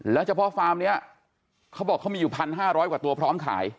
แล้วเฉพาะฟาร์มนี้เขาบอกเขามีอยู่๑๕๐๐กว่าตัวพร้อมขาย